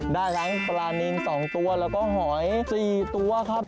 ได้ทั้งปลานิน๒ตัวแล้วก็หอย๔ตัวครับ